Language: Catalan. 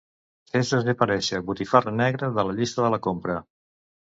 Fes desaparèixer botifarra negra de la llista de la compra.